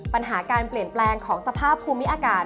ปัญหาการเปลี่ยนแปลงของสภาพภูมิอากาศ